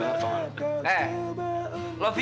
iya dah tua